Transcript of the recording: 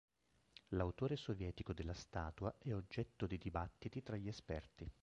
L'autore sovietico della statua è oggetto di dibattiti tra gli esperti.